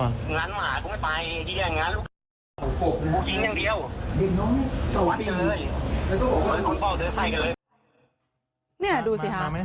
เนี่ยดูสิฮะ